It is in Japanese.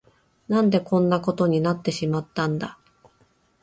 何でこんなことになってしまったんだ。